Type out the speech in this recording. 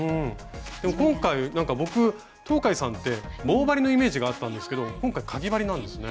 でも今回僕東海さんって棒針のイメージがあったんですけど今回かぎ針なんですね。